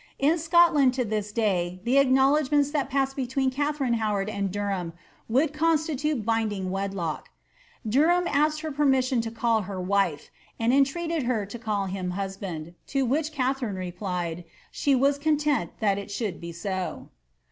In Scotland to this day the acknowledgments that paised between Katharine Howard and Derham would constitute binding wed lock. Derham asked her permission to call her ^* wife," and entreated her to call him ^ husband," to which Katharine replied, ^ She was con tent that it should be so."